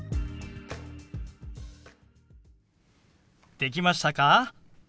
できましたか？